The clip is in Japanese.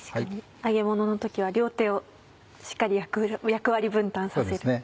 揚げものの時は両手をしっかり役割分担させる。